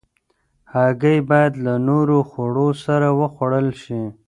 هګۍ باید له نورو خوړو سره وخوړل شي.